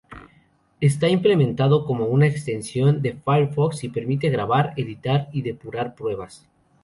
Está implementado como una extensión de Firefox y permite grabar, editar y depurar pruebas.